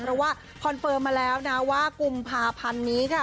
เพราะว่าคอนเฟิร์มมาแล้วนะว่ากุมภาพันธ์นี้ค่ะ